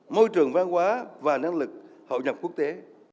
môi trường văn hóa và năng lực hậu nhập quốc tế